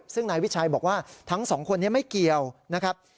ซึ่งนายวิชัยบอกว่าทั้งสองคนนี้ไม่เกี่ยวนะครับ